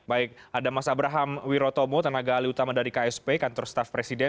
baik ada mas abraham wirotomo tenaga alih utama dari ksp kantor staff presiden